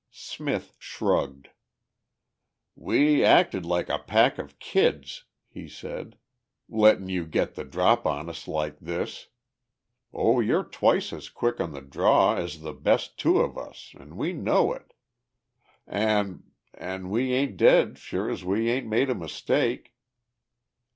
Smith shrugged. "We acted like a pack of kids," he said. "Lettin' you get the drop on us like this. Oh, you're twice as quick on the draw as the best two of us an' we know it. An' ... an' we ain't dead sure as we ain't made a mistake."